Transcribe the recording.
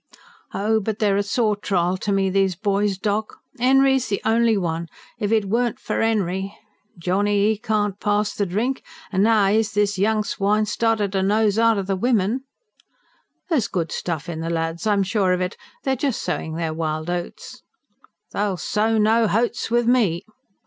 "Oh! but they're a sore trial to me, these boys, doc. 'Enry's the only one ... if it weren't for 'Enry Johnny, 'e can't pass the drink, and now 'ere's this young swine started to nose arter the wimmin." "There's good stuff in the lads, I'm sure of it. They're just sowing their wild oats." "They'll sow no h'oats with me."